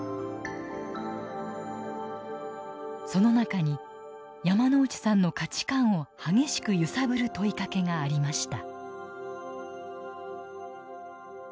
その中に山内さんの価値観を激しく揺さぶる問いかけがありました。